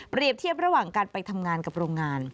เทียบระหว่างการไปทำงานกับโรงงาน